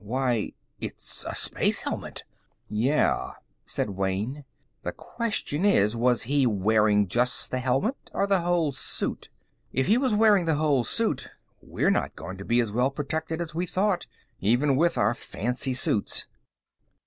"Why it's a space helmet!" "Yeah," said Wayne. "The question is: was he wearing just the helmet, or the whole suit? If he was wearing the whole suit, we're not going to be as well protected as we thought, even with our fancy suits."